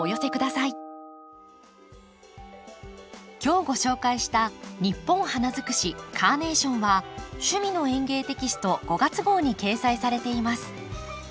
今日ご紹介した「ニッポン花づくしカーネーション」は「趣味の園芸」テキスト５月号に掲載されています。